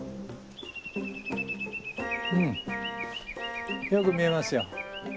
うんよく見えますよ。